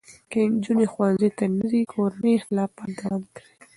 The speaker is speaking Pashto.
که نجونې ښوونځي ته نه ځي، کورني اختلافات دوام کوي.